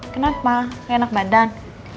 kenapa kayak enak badan